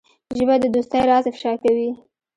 ژبه د دوستۍ راز افشا کوي